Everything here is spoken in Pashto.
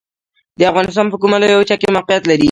افغانستان په کومه لویه وچې کې موقعیت لري؟